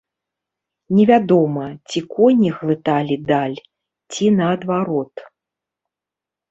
Невядома, ці коні глыталі даль, ці наадварот.